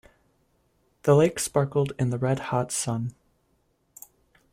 The lake sparkled in the red hot sun.